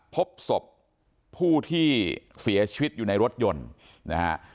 พบศพผู้ที่เสียชีวิตอยู่ในรถยนต์นะฮะ